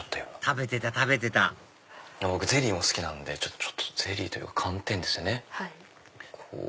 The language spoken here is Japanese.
食べてた食べてた僕ゼリーも好きなんでゼリーというか寒天ですよね。